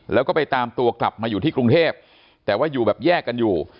แล้วก็ไปตามตัวกลับมาอยู่ที่กรุงเทพแต่ว่าอยู่แบบแยกกันอยู่